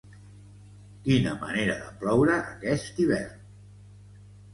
Quina manera de ploure, aquest hivern!